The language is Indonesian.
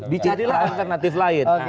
dicari lah alternatif lain